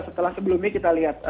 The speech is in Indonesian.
setelah sebelumnya kita lihat